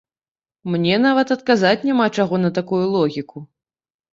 Мне нават адказаць няма чаго на такую логіку.